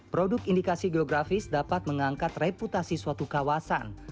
produk indikasi geografis dapat mengangkat reputasi suatu kawasan